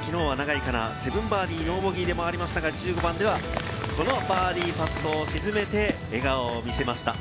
きのうは永井花奈、ー７、ノーボギーで回りましたが、１５番では、このバーディーパットを沈めて、笑顔を見せました。